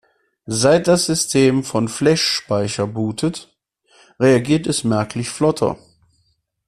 Seit das System von Flashspeicher bootet, reagiert es merklich flotter.